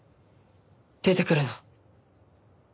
出てくるの。